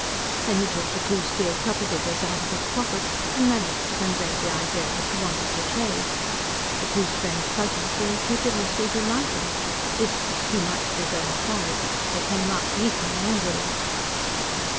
Then he took the two steel chopper diggers out of his pocket, and managed to convey the idea that he wanted to trade. The two strange Fuzzies were incredulously delighted. This was too much for his own tribe; they came up yeeking angrily.